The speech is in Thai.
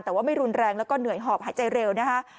แต่ว่าไม่รุนแรงแล้วก็เหนื่อยหอบหายใจเร็วนะคะ